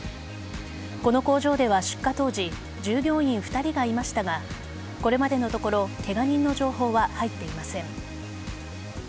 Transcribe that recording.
この工場では出火当時従業員２人がいましたがこれまでのところケガ人の情報は入っていません。